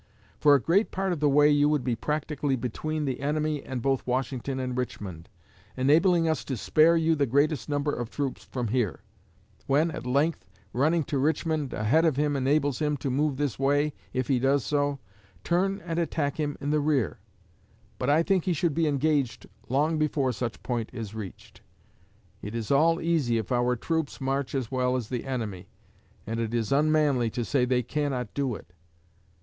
For a great part of the way you would be practically between the enemy and both Washington and Richmond, enabling us to spare you the greatest number of troops from here. When, at length, running to Richmond ahead of him enables him to move this way, if he does so, turn and attack him in the rear. But I think he should be engaged long before such point is reached. It is all easy if our troops march as well as the enemy, and it is unmanly to say they cannot do it.